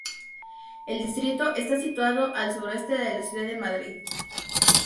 El distrito está situado al suroeste de la ciudad de Madrid.